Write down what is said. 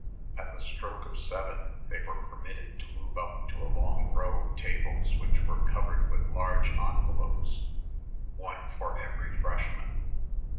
At the stroke of seven they were permitted to move up to a long row of tables which were covered with large envelopes, one for every freshman.